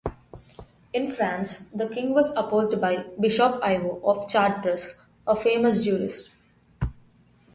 In France, the king was opposed by Bishop Ivo of Chartres, a famous jurist.